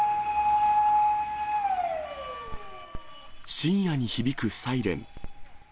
深夜に響くサイレン。